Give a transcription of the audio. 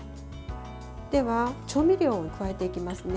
では、調味料を加えていきますね。